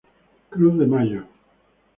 Cruz de Mayo.